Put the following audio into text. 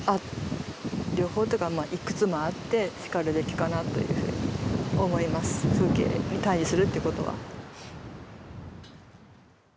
いくつもあってしかるべきかなというふうに思います風景に対じするってことは。